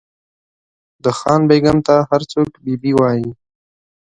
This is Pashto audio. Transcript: د خان بېګم ته هر څوک بي بي وایي.